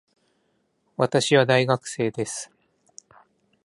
私は大学生です。